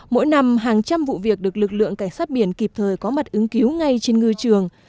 mỗi năm hàng trăm vụ việc được lực lượng cảnh sát biển kịp thời có mặt ứng cứu ngay trên ngư trường